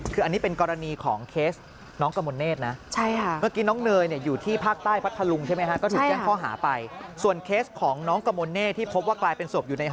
คืออันนี้เป็นกรณีของเคสน้องกระมวลเนธนะ